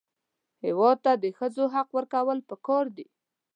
هېواد ته د ښځو حق ورکول پکار دي